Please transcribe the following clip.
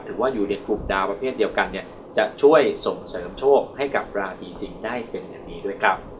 หรือว่าอยู่ในกลุ่มดาวประเภทเดียวกันเนี่ยจะช่วยส่งเสริมโชคให้กับราศีสิงศ์ได้เป็นอย่างดีด้วยครับ